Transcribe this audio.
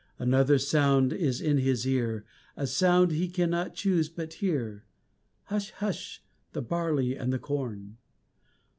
Another sound is in His ear, A sound he cannot choose but hear Hush, hush, the barley and the corn!